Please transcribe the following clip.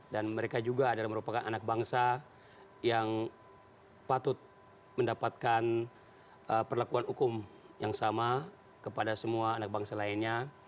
dan mereka juga adalah merupakan anak bangsa yang patut mendapatkan perlakuan hukum yang sama kepada semua anak bangsa lainnya